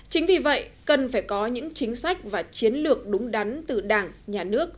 chính vì vậy cần phải có những chính sách và chiến lược đúng đắn từ đảng nhà nước